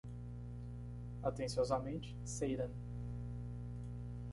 Atenciosamente,? satan.